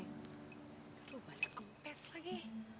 terlalu banyak gempes lagi